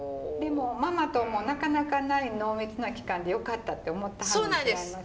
でもママともなかなかない濃密な期間でよかったって思ってはるん違います？